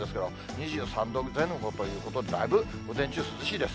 ２３度前後ということで、だいぶ午前中、涼しいです。